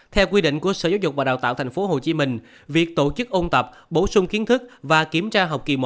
theo quy định của sở giáo dục và đào tạo tp hcm việc tổ chức ôn tập bổ sung kiến thức và kiểm tra học kỳ một